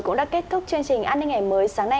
cũng đã kết thúc chương trình an ninh ngày mới sáng nay